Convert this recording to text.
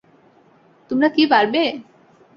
তোমরা কী পারবে?